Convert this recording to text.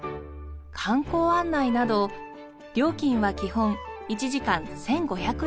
観光案内など料金は基本１時間１５００円です。